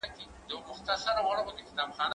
کېدای سي ميوې تياره وي،